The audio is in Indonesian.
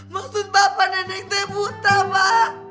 maksud bapak nenek tak buta pak